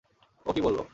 ও কী বলল?